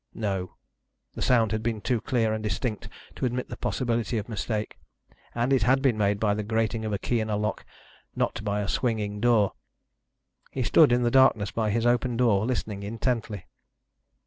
No! the sound had been too clear and distinct to admit the possibility of mistake, and it had been made by the grating of a key in a lock, not by a swinging door. He stood in the darkness by his open door, listening intently.